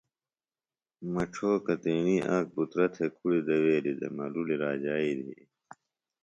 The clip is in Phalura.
مڇھوکہ تیݨی آک پُترہ تھےۡ کڑیۡ دویلیۡ دےۡ ملُڑی راجائی دِھی